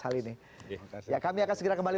hal ini ya kami akan segera kembali